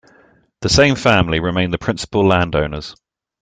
The same family remain the principal landowners.